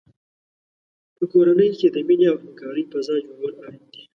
په کورنۍ کې د مینې او همکارۍ فضا جوړول اړین دي.